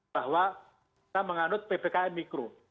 bahwa kita menganut ppkm mikro